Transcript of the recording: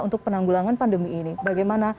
untuk penanggulangan pandemi ini bagaimana